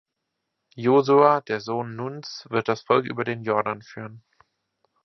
Josua, der Sohn Nuns, wird das Volk über den Jordan führen.